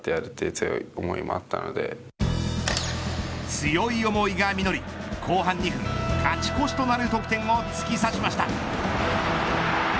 強い思いが実り後半２分勝ち越しとなる得点を突き刺しました。